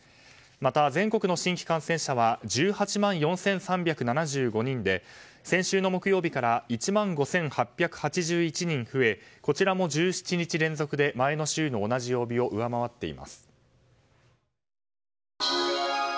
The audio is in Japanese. また、全国の新規感染者は１８万４３７５人で先週の木曜日から１万５８８１人増えこちらの１７日連続で前の週の同じ曜日を上回っています。